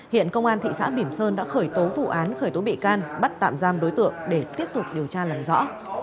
hiện công an thị xã bỉm sơn đã khởi tố vụ án khởi tố bị can bắt tạm giam đối tượng để tiếp tục điều tra làm rõ